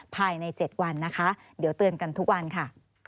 ภายใน๗วันนะคะเดี๋ยวเตือนกันทุกวันค่ะ